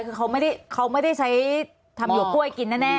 คือเขาไม่ได้ใช้ทำหยวกล้วยกินแน่